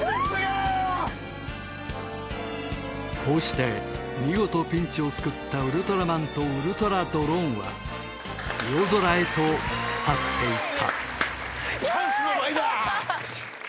こうして見事ピンチを救ったウルトラマンとウルトラドローンは夜空へと去って行ったチャンスの舞だ！